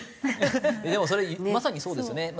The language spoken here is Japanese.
でもそれまさにそうですよね。